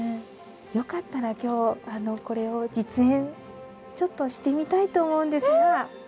よかったら今日これを実演ちょっとしてみたいと思うんですが。